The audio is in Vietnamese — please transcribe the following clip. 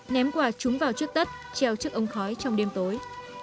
ném quà trúng vào trước tất treo trước ông khói trong đêm tối